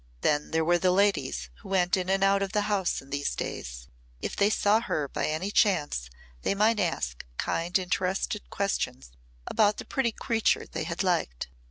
Then there were the ladies who went in and out of the house in these days. If they saw her by any chance they might ask kind interested questions about the pretty creature they had liked.